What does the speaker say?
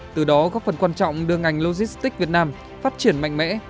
từ đó góp phần quan trọng đưa ngành logistics việt nam phát triển mạnh mẽ